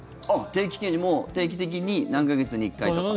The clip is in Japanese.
定期検診定期的に何か月に１回とか。